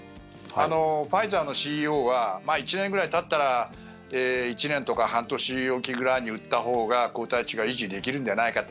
ファイザーのＣＥＯが１年くらいたったら１年とか半年おきくらいに打ったほうが抗体値が維持できるんじゃないかって。